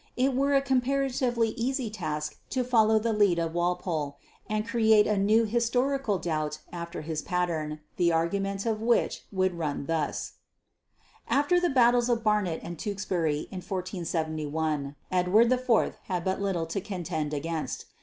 It were a comparatively easy task to follow the lead of Walpole and create a new "historic doubt" after his pattern, the argument of which would run thus: After the battles of Barnet and Tewkesbury in 1471, Edward IV had but little to contend against.